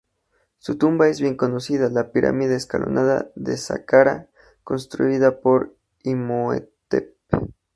Su tumba es bien conocida: la pirámide escalonada de Saqqara, construida por Imhotep.